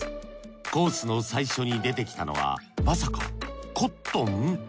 コースの最初に出てきたのはまさかコットン？